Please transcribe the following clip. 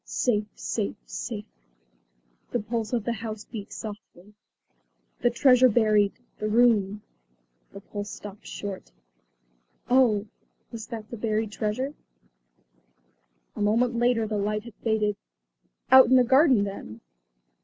"Safe, safe, safe," the pulse of the house beat softly. "The treasure buried; the room ..." the pulse stopped short. Oh, was that the buried treasure? A moment later the light had faded. Out in the garden then?